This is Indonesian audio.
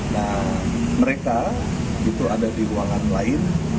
nah mereka itu ada di ruangan lain